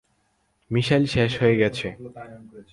Missile শেষ হয়ে গেছে।